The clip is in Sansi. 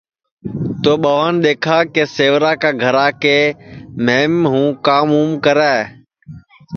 تو ٻوان دؔیکھا کہ سیورا کا گھرا کے مہم ہوں کام اُم کرے